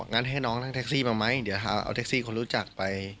งั้นให้น้องนั่งแท็กซี่มาไหมเดี๋ยวเอาแท็กซี่คนรู้จักไป